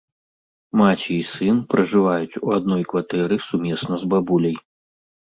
Маці і сын пражываюць у адной кватэры сумесна з бабуляй.